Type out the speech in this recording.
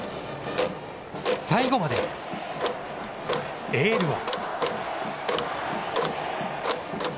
最後までエールを。